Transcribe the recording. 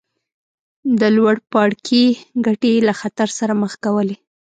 د لوړ پاړکي ګټې یې له خطر سره مخ کولې.